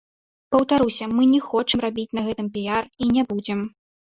Паўтаруся, мы не хочам рабіць на гэтым піяр і не будзем.